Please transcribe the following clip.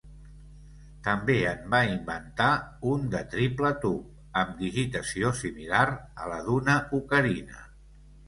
També en va inventar un de triple tub, amb digitació similar a la d'una ocarina.